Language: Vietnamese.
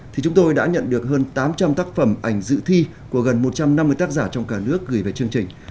thì chúng tôi đã nhận được hơn tám trăm linh tác phẩm ảnh dự thi của gần một trăm năm mươi tác giả trong cả nước gửi về chương trình